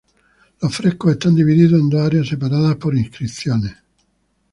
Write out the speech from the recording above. Los frescos están divididos en dos áreas separadas por inscripciones.